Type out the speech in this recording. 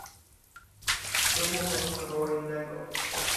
"Cóż mu pozostawało innego?"